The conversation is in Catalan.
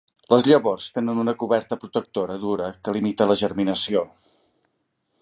Les llavors tenen una coberta protectora dura que limita la germinació.